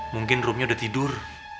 mungkin roomnya udah tidur